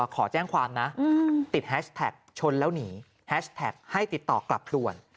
ขอแจ้งความนะติดแฮชแท็กชนแล้วหนีแฮชแท็กให้ติดต่อกลับด่วน